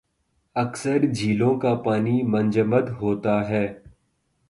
اکثر جھیلوں کا پانی منجمد ہوتا ہے